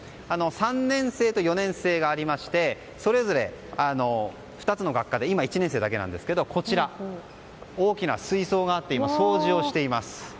３年制と４年制がありましてそれぞれ、２つの学科で今は１年生だけなんですけどこちら、大きな水槽があって今、掃除をしています。